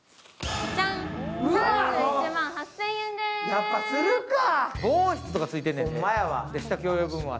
やっぱするか！